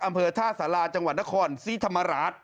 อำเภอท่าสาราจังหวัดนครศรีธรรมราช